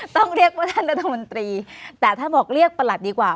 ต้องเรียกว่าท่านรัฐมนตรีแต่ถ้าบอกเรียกประหลัดดีกว่า